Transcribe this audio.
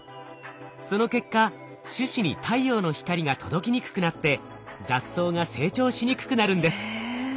その結果種子に太陽の光が届きにくくなって雑草が成長しにくくなるんです。